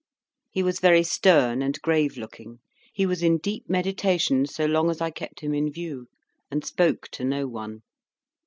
He was very stern and grave looking; he was in deep meditation, so long as I kept him in view, and spoke to no one.